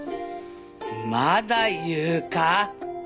まだ言うか？